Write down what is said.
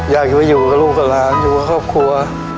อยากจะมาอยู่กับลูกกับหลานอยู่กับครอบครัว